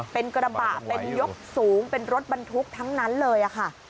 เป็นกระบะเป็นยกสูงเป็นรถบรรทุกทั้งนั้นเลยค่ะ